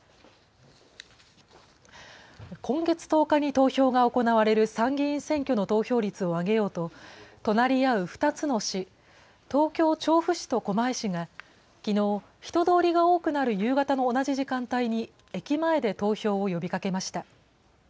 今月１０日に投票が行われる参議院選挙の投票率を上げようと、隣り合う２つの市、東京・調布市と狛江市がきのう、人通りが多くなる夕方の同じ時間帯に、駅前で投票を呼びかけました。